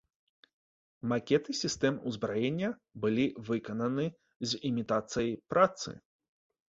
Макеты сістэм узбраення былі выкананы з імітацыяй працы.